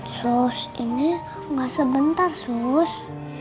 sus ini gak sebentar sus